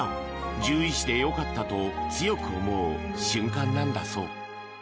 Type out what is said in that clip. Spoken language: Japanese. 獣医師でよかったと強く思う瞬間なんだそう。